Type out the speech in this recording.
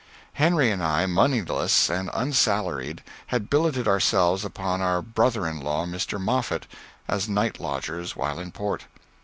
Henry and I, moneyless and unsalaried, had billeted ourselves upon our brother in law, Mr. Moffet, as night lodgers while in port.